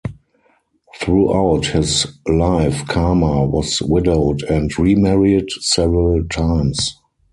Throughout his life Khama was widowed and remarried several times.